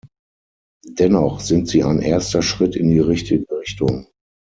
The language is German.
Dennoch sind sie ein erster Schritt in die richtige Richtung.